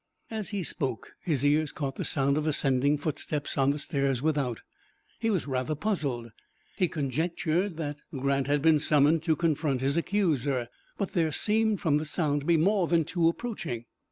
As he spoke, his ears caught the sound of ascending footsteps on the stairs without. He was rather puzzled. He conjectured that Grant had been summoned to confront his accuser, but there seemed, from the sound, to be more than two approaching.